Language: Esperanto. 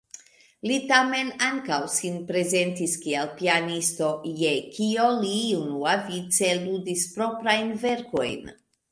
Li tamen ankaŭ sin prezentis kiel pianisto, je kio li unuavice ludis proprajn verkojn.